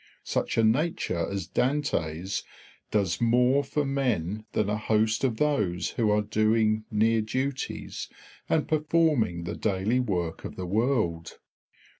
Such a nature as Dante's does more for men than a host of those who are doing near duties and performing the daily work of the world.